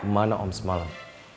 mana om semalam